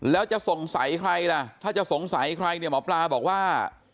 แล้วจะสงสัยใครล่ะถ้าจะสงสัยใครเนี่ยหมอปลาบอกว่า